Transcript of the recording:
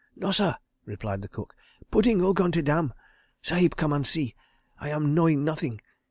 "Nossir," replied the cook. "Pudding all gone to damn. Sahib come and see. I am knowing nothing.